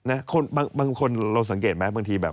บางคนเราสังเกตไหมบางทีแบบ